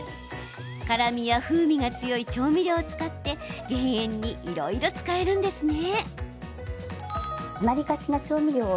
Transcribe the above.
辛みや風味が強い調味料って減塩にいろいろ使えるんですね。